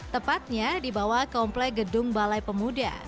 tepatnya di bawah komplek gedung balai pemuda